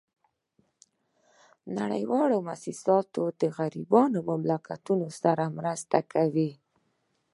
نړیوال موسسات د غریبو مملکتونو سره مرستي کوي